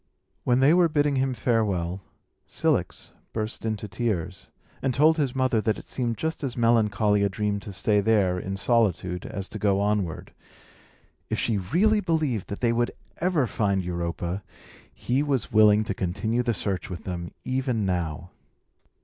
When they were bidding him farewell, Cilix burst into tears, and told his mother that it seemed just as melancholy a dream to stay there, in solitude, as to go onward. If she really believed that they would ever find Europa, he was willing to continue the search with them, even now.